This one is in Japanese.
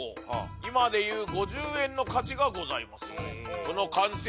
今でいう５０円の価値がございます。